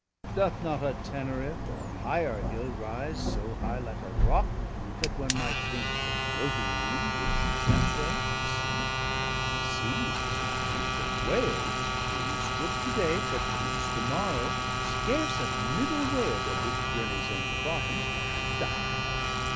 285 Doth not a Tenarif, or higher Hill Rise so high like a Rocke, that one might thinke The floating Moone would shipwracke there, and sinke? Seas are so deepe, that Whales being strooke to day, Perchance to morrow, scarse at middle way 290 Of their wish'd journies end, the bottome, die.